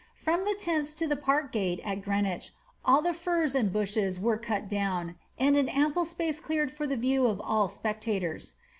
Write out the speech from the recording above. From the tents to the park gate at Greenwich all the furze and bushes were cut down, and an ample space cleared for the view of all spectators.